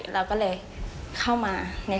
เราก็เลยเข้ามา